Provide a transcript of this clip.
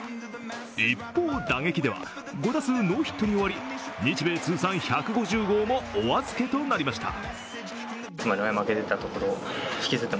一方、打撃では５打数ノーヒットに終わり日米通算１５０号もお預けとなりました。